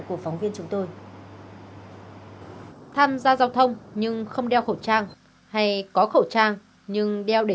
của phóng viên chúng tôi tham gia giao thông nhưng không đeo khẩu trang hay có khẩu trang nhưng đeo để